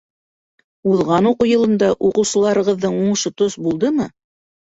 — Уҙған уҡыу йылында уҡыусыларығыҙҙың уңышы тос булдымы?